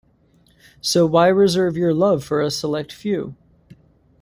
So why reserve your love for a select few?